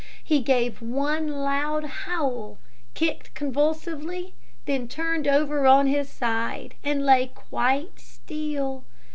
He gave one loud howl, kicked convulsively, then turned over on his side and lay quite still.